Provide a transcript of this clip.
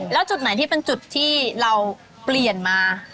แล้วจุดไหนที่เป็นจุดที่เราเปลี่ยนมา